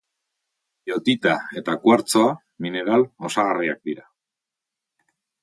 Biotita eta kuartzoa mineral osagarriak dira.